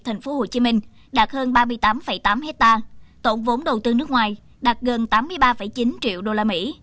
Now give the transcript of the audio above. tp hcm đạt hơn ba mươi tám tám hectare tổng vốn đầu tư nước ngoài đạt gần tám mươi ba chín triệu usd